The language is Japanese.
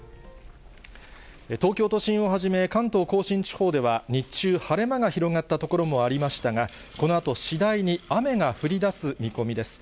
東京都心をはじめ、関東甲信地方では日中、晴れ間が広がった所もありましたが、このあと次第に雨が降りだす見込みです。